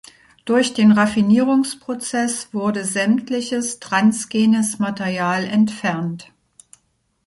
Durch den Raffinierungsprozess wurde sämtliches transgenes Material entfernt.